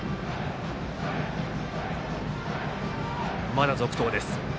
まだ続投です。